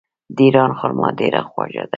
د ایران خرما ډیره خوږه ده.